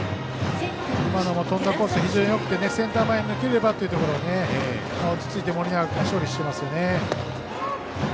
今のも飛んだコースが非常によくてセンター前に抜ければというところ落ち着いて盛永君が処理していますよね。